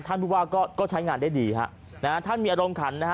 ผู้ว่าก็ก็ใช้งานได้ดีฮะนะฮะท่านมีอารมณ์ขันนะฮะ